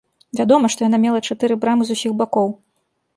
Вядома, што яна мела чатыры брамы з усіх бакоў.